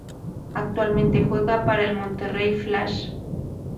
Actualmente juega para el Monterrey Flash.